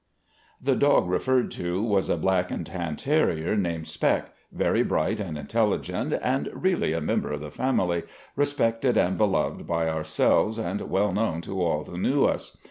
The dog referred to was a black and tan terrier named " Spec," very bright and intelligent and really a member of the family, respected and beloved by ourselves and well known to all who knew us.